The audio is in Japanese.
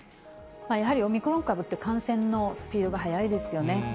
やはりオミクロン株って、感染のスピードが速いですよね。